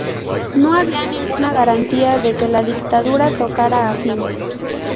No había ninguna garantía de que la dictadura tocara a fin.